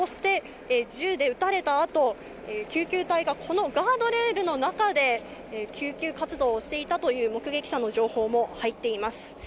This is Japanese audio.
そして銃で撃たれた後、救急隊がこのガードレールの中で救急活動をしていたという目撃者の情報も入っています。